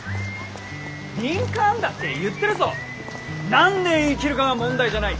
リンカーンだって言ってるぞ何年生きるかが問題じゃない。